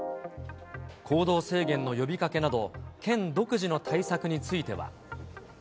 行動制限の呼びかけなど、県独自の対策については。